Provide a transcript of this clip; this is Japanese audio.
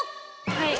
はい。